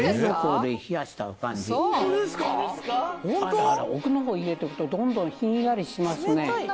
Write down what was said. あらあら奥の方入れていくとどんどんひんやりしますね。